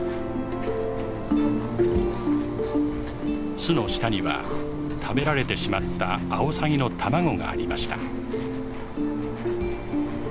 巣の下には食べられてしまったアオサギの卵がありました。